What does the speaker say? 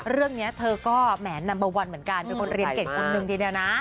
เรื่องนี้เธอก็แหวนนัมเบอร์วันเหมือนกันเป็นคนเรียนเก่งคนหนึ่งทีเดียวนะ